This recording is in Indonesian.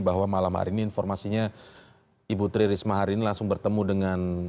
bahwa malam hari ini informasinya ibu tri risma hari ini langsung bertemu dengan